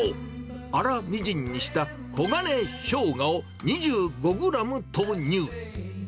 粗みじんにした黄金しょうがを２５グラム投入。